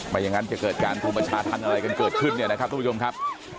อย่างนั้นจะเกิดการรุมประชาธรรมอะไรกันเกิดขึ้นเนี่ยนะครับทุกผู้ชมครับ